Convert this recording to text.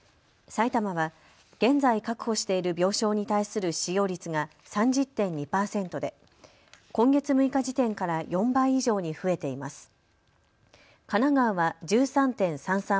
埼玉は現在確保している病床に対する使用率が３０．２％で今月６日時点から４倍以上に増えています。